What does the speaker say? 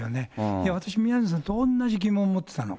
いや、私、宮根さんと同じ疑問持ってたの。